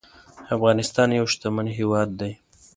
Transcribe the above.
افغانستان يو شتمن هيواد دي